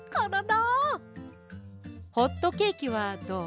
ホットケーキはどう？